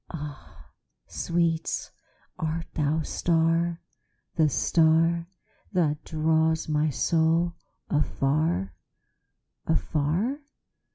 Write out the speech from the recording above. Ah, sweet, art thou the star, the starThat draws my soul afar, afar?